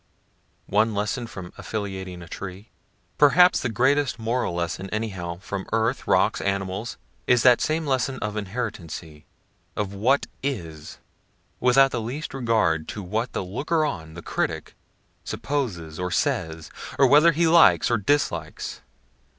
One lesson from affiliating a tree perhaps the greatest moral lesson anyhow from earth, rocks, animals, is that same lesson of inherency, of what is, without the least regard to what the looker on (the critic) supposes or says, or whether he likes or dislikes.